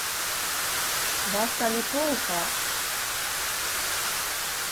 Vasali pulkā!